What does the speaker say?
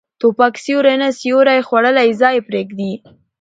توپک سیوری نه، سیوری خوړلی ځای پرېږدي.